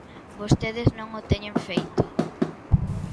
Vostedes non o teñen feito.